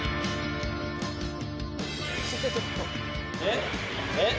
えっ？えっ？